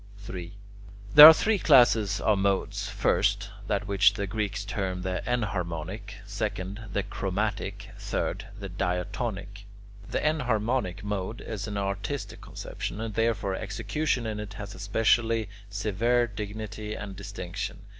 3. There are three classes of modes: first, that which the Greeks term the enharmonic; second, the chromatic; third, the diatonic. The enharmonic mode is an artistic conception, and therefore execution in it has a specially severe dignity and distinction.